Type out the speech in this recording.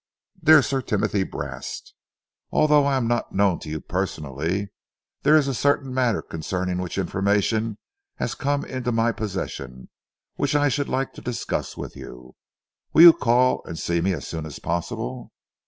"DEAR SIR TIMOTHY BRAST: "Although I am not known to you personally, there is a certain matter concerning which information has come into my possession, which I should like to discuss with you. Will you call and see me as soon as possible?"